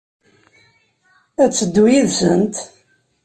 Ad teddu yid-sent?